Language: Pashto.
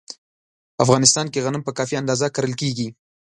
په افغانستان کې غنم په کافي اندازه کرل کېږي.